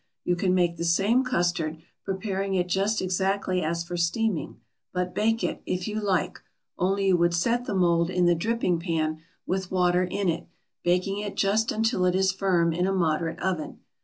You can make the same custard, preparing it just exactly as for steaming, but bake it, if you like, only you would set the mould in the dripping pan with water in it, baking it just until it is firm, in a moderate oven.